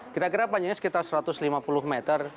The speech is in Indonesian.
kira kira panjangnya sekitar satu ratus lima puluh meter